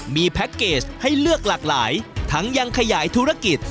มีแพ็คเกจให้เลือกหลากหลายทั้งยังขยายธุรกิจ